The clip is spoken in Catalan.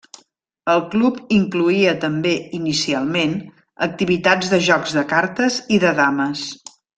El club incloïa també, inicialment, activitats de Joc de cartes i de Dames.